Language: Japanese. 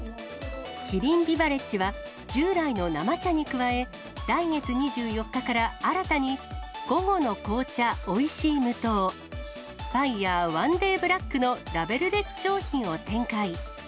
キリンビバレッジは、従来の生茶に加え、来月２４日から新たに、午後の紅茶おいしい無糖、ファイアワンデイブラックのラベルレス商品を展開。